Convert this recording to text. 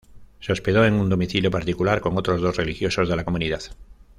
Se hospedó en un domicilio particular con otros dos religiosos de la comunidad.